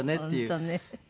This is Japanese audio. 本当ね。